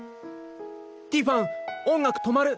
ティファン音楽止まる！